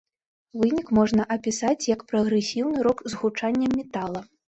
Вынік можна апісаць як прагрэсіўны рок з гучаннем метала.